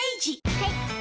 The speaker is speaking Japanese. はい。